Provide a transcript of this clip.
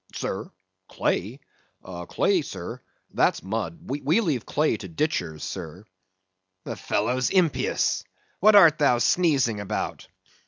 Sir?—Clay? clay, sir? That's mud; we leave clay to ditchers, sir. The fellow's impious! What art thou sneezing about?